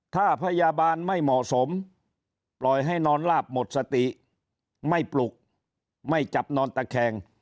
ถ้าพยาบาลไม่เหมาะสมปล่อยให้นอนลาบหมดสติไม่ปลุกไม่จับนอนตะแคง